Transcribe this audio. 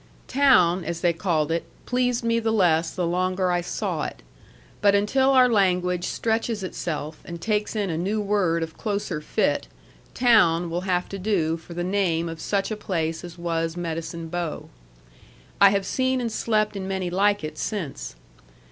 Town, as they called it, pleased me the less, the longer I saw it. But until our language stretches itself and takes in a new word of closer fit, town will have to do for the name of such a place as was Medicine Bow. I have seen and slept in many like it since.